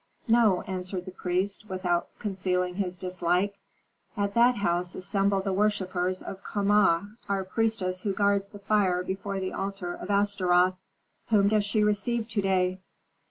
"No," answered the priest, without concealing his dislike; "at that house assemble the worshippers of Kama, our priestess who guards the fire before the altar of Astaroth." "Whom does she receive to day?"